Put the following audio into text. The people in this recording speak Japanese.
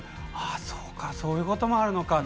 そうか、そういうこともあるのかと。